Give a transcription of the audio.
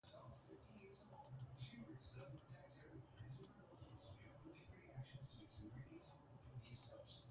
He argued tirelessly for Indonesia's independence from the Netherlands.